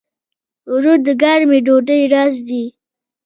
اوړه د ګرمې ډوډۍ راز دي